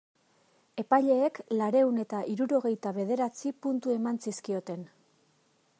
Epaileek laurehun eta hirurogeita bederatzi puntu eman zizkioten.